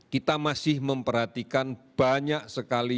kita masih memperhatikan banyak sekali